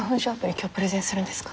今日プレゼンするんですか？